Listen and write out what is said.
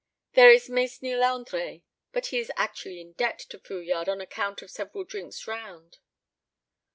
There is Mesnil Andre, but he is actually in debt to Fouillade on account of several drinks round.